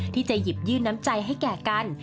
ที่จะหยิบยื่นน้ำใจให้แก่กัน